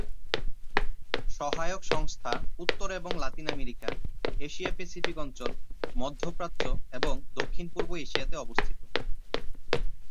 সহায়ক সংস্থা উত্তর এবং লাতিন আমেরিকা, এশিয়া-প্যাসিফিক অঞ্চল, মধ্য প্রাচ্য এবং দক্ষিণ-পূর্ব এশিয়াতে অবস্থিত।